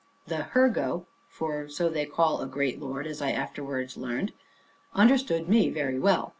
The Hurgo (for so they call a great lord, as I afterwards learnt) understood me very well.